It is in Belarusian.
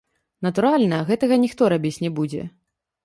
Натуральна, гэтага ніхто рабіць не будзе.